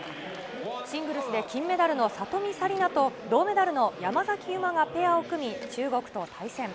シングルスで金メダルの里見紗李奈と銅メダルの山崎悠麻がペアを組み中国と対戦。